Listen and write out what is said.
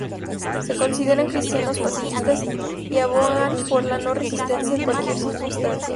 Se consideran cristianos pacifistas y abogan por la no resistencia en cualquier circunstancia.